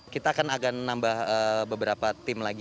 kita akan agak menambah beberapa tim lagi